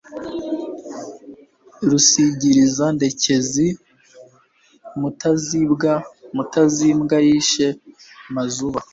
Rusigiriza-ndekezi Mutazimbwa yishe Mazuba*,